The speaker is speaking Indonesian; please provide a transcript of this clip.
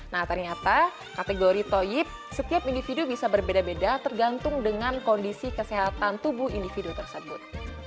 nah ternyata kategori toyib setiap individu bisa berbeda beda tergantung dengan kondisi kesehatan tubuh individu tersebut